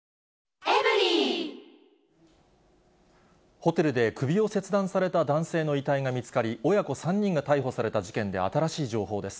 ホテルで首を切断された男性の遺体が見つかり、親子３人が逮捕された事件で新しい情報です。